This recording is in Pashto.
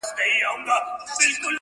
خلک عادي ژوند ته ستنېږي ورو